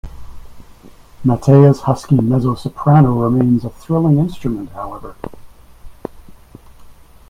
Mattea's husky mezzo-soprano remains a thrilling instrument, however.